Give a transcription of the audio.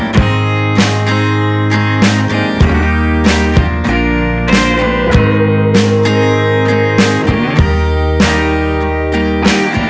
terima kasih banyak om tante